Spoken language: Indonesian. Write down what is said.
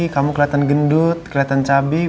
kamu keliatan gendut keliatan cabi